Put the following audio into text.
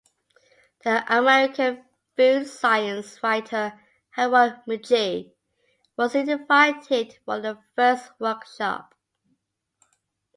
The American food science writer Harold McGee, was invited for the first Workshop.